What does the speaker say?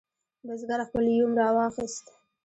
بزګر خپل یوم راواخست.